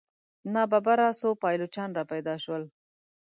ناببره څو پایلوچان را پیدا شول.